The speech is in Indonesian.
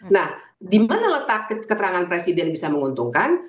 nah di mana letak keterangan presiden bisa menguntungkan